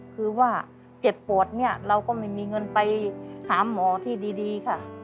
คือว่าเจ็บปวดเนี่ยเราก็ไม่มีเงินไปหาหมอที่ดีค่ะ